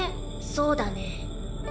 そうだね。